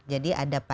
jadi ada pajak